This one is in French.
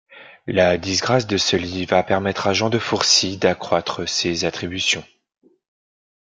La disgrâce de Sully va permettre à Jean de Fourcy d'accroître ses attributions.